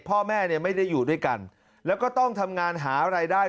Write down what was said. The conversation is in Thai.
พ่อแม่เนี่ยไม่ได้อยู่ด้วยกันแล้วก็ต้องทำงานหารายได้